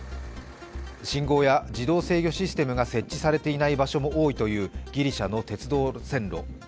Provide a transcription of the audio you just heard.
信号や自動制御システムが設置されていない場所も多いというギリシャの鉄道路線。